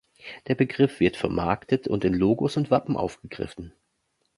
Der Begriff wird vermarktet und in Logos und Wappen aufgegriffen.